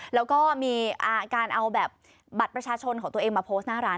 แล้วก็มีการเอาแบบบัตรประชาชนของตัวเองมาโพสต์หน้าร้าน